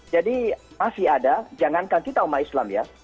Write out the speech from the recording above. jadi masih ada jangankan kita umat islam ya